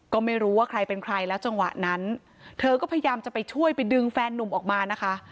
ก็ไม่รู้ว่าใครเป็นใครแล้วจังหวะนั้นเธอก็พยายามจะไปช่วยไปดึงแฟนนุ่มออกมานะคะ